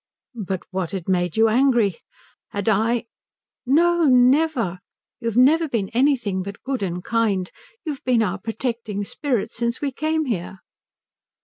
"But what had made you angry? Had I ?" "No, never. You have never been anything but good and kind. You've been our protecting spirit since we came here."